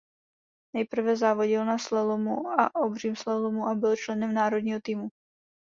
Nejprve závodil ve slalomu a obřím slalomu a byl členem národního týmu.